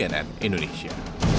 tim liputan cnn indonesia